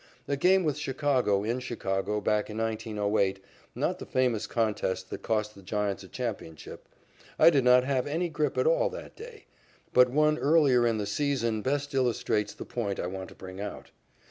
A game with Chicago in Chicago back in 1908 (not the famous contest that cost the Giants a championship; I did not have any grip at all that day; but one earlier in the season) best illustrates the point I want to bring out.